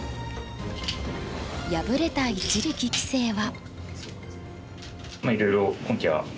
敗れた一力棋聖は。